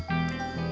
lo udah ngerti